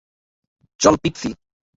চল, পিক্সি।